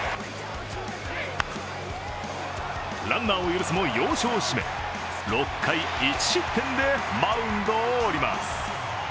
ランナーを許すも要所を締め６回１失点でマウンドを降ります。